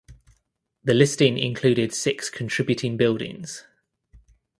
The listing included six contributing buildings.